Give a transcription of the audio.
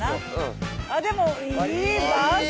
あっでもいいバス！